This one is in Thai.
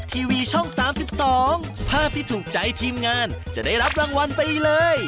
ที่ถูกใจทีมงานจะได้รับรางวัลไปเลย